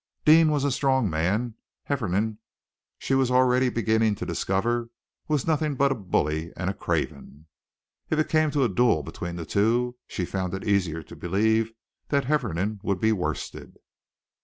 Deane was a strong man; Hefferom, she was already beginning to discover, was nothing but a bully and a craven. If it came to a duel between the two, she found it easier to believe that Hefferom would be worsted.